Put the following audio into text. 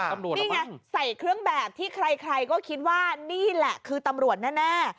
นี่ไงใส่เครื่องแบบที่ใครก็คิดว่านี่แหละคือตำรวจแน่